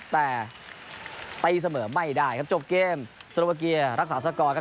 แต่ตีเสมอไม่ได้ครับจบเกมสโลวาเกียร์รักษาสกอร์ครับ